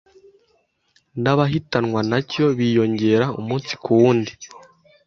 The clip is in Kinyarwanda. n’abahitanwa na cyo biyongera umunsi ku wundi.